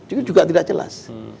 itu juga tidak jelas